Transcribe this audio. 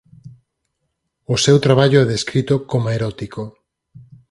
O seu traballo é descrito coma erótico.